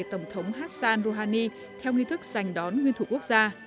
tổng thống hassan rouhani theo nghi thức giành đón nguyên thủ quốc gia